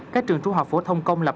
các trường trú học phổ thông công lập